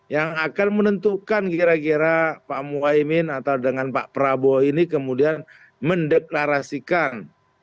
yang akan menentukan kira kira pak muhaymin atau dengan pak prabowo ini kemudian mendeklarasikan